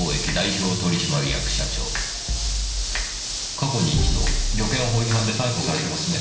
過去に一度旅券法違反で逮捕されてますね。